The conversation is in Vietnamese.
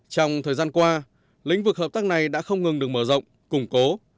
trong thời gian qua lĩnh vực hợp tác này đã không ngừng được mở rộng củng cố